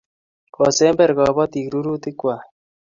kosember kobotik rututik kwai